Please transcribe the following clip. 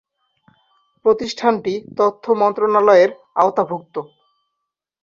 প্রতিষ্ঠানটি তথ্য মন্ত্রণালয়ের আওতাভুক্ত।